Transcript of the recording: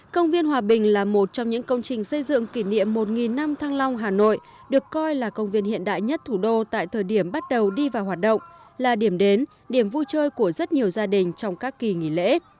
công viên hòa bình là một trong những công trình xây dựng kỷ niệm một năm thăng long hà nội được coi là công viên hiện đại nhất thủ đô tại thời điểm bắt đầu đi vào hoạt động là điểm đến điểm vui chơi của rất nhiều gia đình trong các kỳ nghỉ lễ